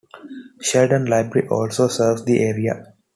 Sheldon Library also serves the area.